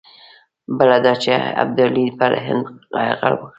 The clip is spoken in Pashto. بله دا چې ابدالي پر هند یرغل وکړي.